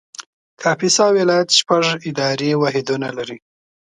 کاپیسا ولایت شپږ اداري واحدونه لري